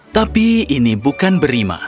tapi ini bukan berima